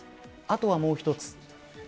あとは、もう一つ。